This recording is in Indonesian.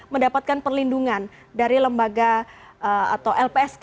mendapatkan perlindungan dari lembaga atau lpsk